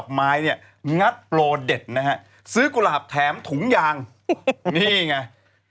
กลับโปรเด็ดนะฮะซื้อกลับแถมถุงยางนี่ไง